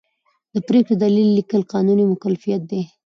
د پرېکړې دلیل لیکل قانوني مکلفیت دی.